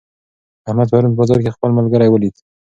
احمد پرون په بازار کې خپل ملګری ولید.